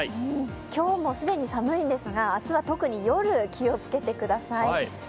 今日も既に寒いんですが明日は特に夜、気をつけてください。